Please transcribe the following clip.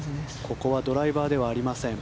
ここはドライバーではありません。